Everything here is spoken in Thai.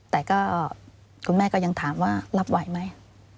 แต่ก็คุณแม่ก็ยังถามว่ารับไหวไหม